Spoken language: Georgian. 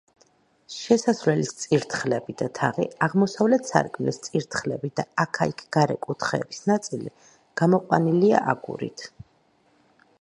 შესასვლელის წირთხლები და თაღი, აღმოსავლეთ სარკმლის წირთხლები და აქა-იქ გარე კუთხეების ნაწილი გამოყვანილია აგურით.